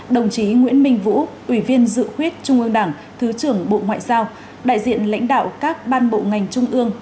đồng chí nguyễn minh vũ ủy viên dự khuyết trung ương đảng thứ trưởng bộ ngoại giao đại diện lãnh đạo các ban bộ ngành trung ương